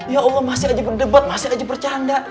ya allah masih aja berdebat masih aja bercanda